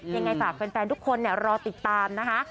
ยังไงฝากแฟนทุกคนรอติดตามนะคะ